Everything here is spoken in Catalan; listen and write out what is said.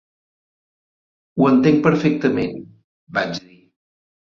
"Ho entenc perfectament", vaig dir.